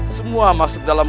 semua masuk dalam